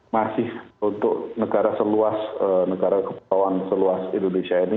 masih untuk negara seluas negara kepulauan seluas indonesia ini